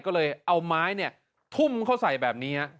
ก็เลยเอาม้ายเนี่ยทุ่มเขาใส่แบบนี้